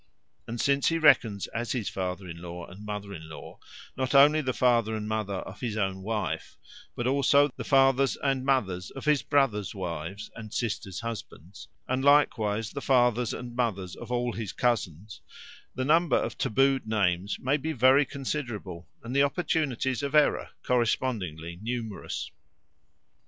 And since he reckons as his father in law and mother in law not only the father and mother of his own wife, but also the fathers and mothers of his brothers' wives and sisters' husbands, and likewise the fathers and mothers of all his cousins, the number of tabooed names may be very considerable and the opportunities of error correspondingly numerous.